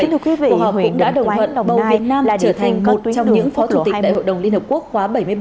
họ cũng đã đồng hận bầu việt nam trở thành một trong những phó chủ tịch đại hội đồng liên hợp quốc khóa bảy mươi bảy